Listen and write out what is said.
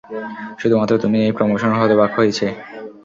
শুধুমাত্র তুমিই এই প্রমোশনে হতবাক হয়েছে।